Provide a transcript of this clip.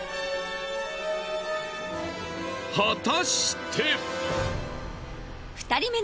果たして！？